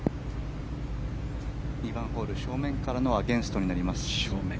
２番ホール、正面からのアゲンストになります。